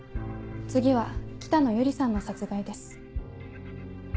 次は北野由里さんの殺害です。